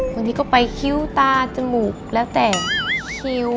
บางทีก็ไปคิ้วตาจมูกแล้วแต่คิ้ว